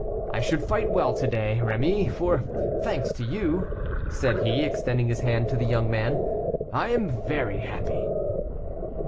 I should fight well to day, Rémy, for, thanks to you," said he, extending his hand to the young man, "I am very happy."